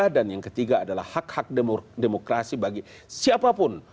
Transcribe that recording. dan yang ketiga adalah hak hak demokrasi bagi siapapun